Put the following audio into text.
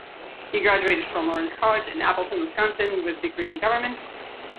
He graduated from Lawrence College in Appleton, Wisconsin with a degree in Government.